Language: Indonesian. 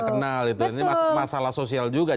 kenal itu ini masalah sosial juga